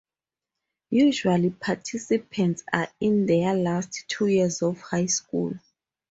Usually participants are in their last two years of high school.